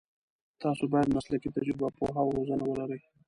تاسو باید مسلکي تجربه، پوهه او روزنه ولرئ.